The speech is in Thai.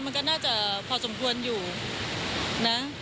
มันก็น่าจะพอสมควรอยู่นะ